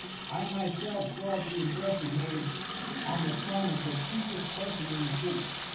I my self saw the Impression made on the Son of the Chiefest Person in the City.